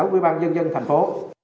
cụ sở ủy ban dân dân thành phố